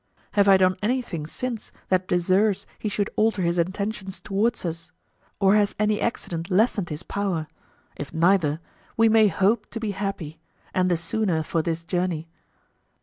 Have I done anything since that deserves he should alter his intentions towards us? Or has any accident lessened his power? If neither, we may hope to be happy, and the sooner for this journey.